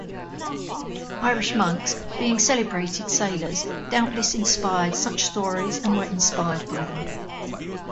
Irish monks, being celebrated sailors, doubtless inspired such stories and were inspired by them.